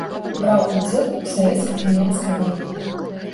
Браў удзел у савецка-фінляндскай вайне.